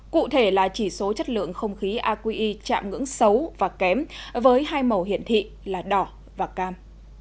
cụ thể là chỉ số chất lượng không khí aqi chạm ngưỡng xấu và kém với hai màu hiện thị là đỏ và cam